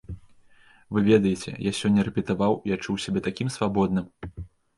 Вы ведаеце, я сёння рэпетаваў і адчуў сябе такім свабодным!